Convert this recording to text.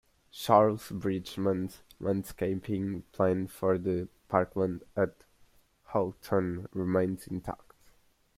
Charles Bridgeman's landscaping plan for the parkland at Houghton remains intact.